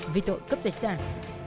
vì tội cướp tài sản